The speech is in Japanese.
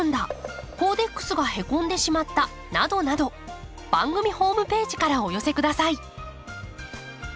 などなど番組ホームページからお寄せください。